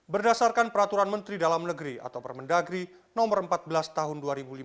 berdasarkan peraturan menteri dalam negeri atau permendagri no empat belas tahun dua ribu lima belas